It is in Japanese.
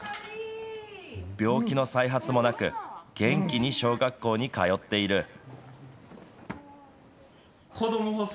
病気の再発もなく、元気に小学校に通っている。